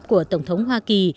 của tổng thống hoa kỳ